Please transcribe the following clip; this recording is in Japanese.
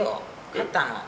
買ったの？